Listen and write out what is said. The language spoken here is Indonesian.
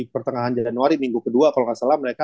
pertengahan januari minggu kedua kalau nggak salah mereka